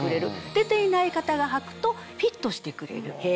出ていない方がはくとフィットしてくれる。